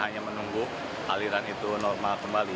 hanya menunggu aliran itu normal kembali